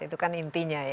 itu kan intinya